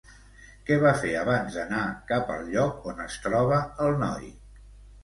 Què va fer abans d'anar cap al lloc on es troba el noi?